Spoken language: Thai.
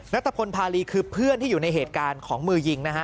ัตตะพลภารีคือเพื่อนที่อยู่ในเหตุการณ์ของมือยิงนะฮะ